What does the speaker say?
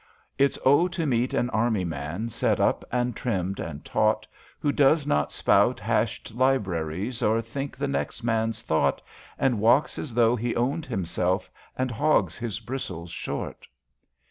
It's Oh to meet an Army man, Set up, and trimmed and taut. Who does not spout hashed libraries Or think the next man's thought, And walks as though he owned himself. And hogs his bristles short.